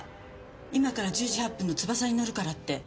今から１０時８分のつばさに乗るからって。